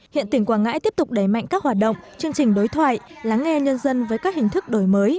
hiện tỉnh quảng ngãi tiếp tục đẩy mạnh các hoạt động chương trình đối thoại lắng nghe nhân dân với các hình thức đổi mới